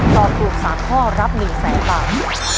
ตอบถูก๓ข้อรับ๑แสนบาท